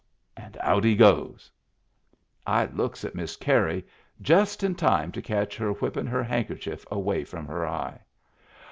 And out he goes ! I looks at Miss Carey — just in time to catch her whippin' her handkerchief away from her eye.